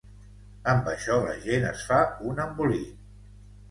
Amb això, la gent es fa un embolic.